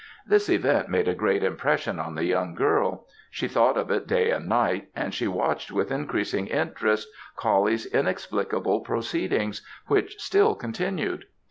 This event made a great impression on the young girl; she thought of it day and night, and she watched with increasing interest Coullie's inexplicable proceedings, which still continued.